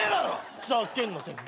ふざけんなてめえ。